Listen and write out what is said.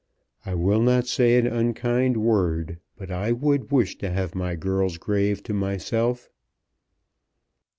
I will not say an unkind word, but I would wish to have my girl's grave to myself."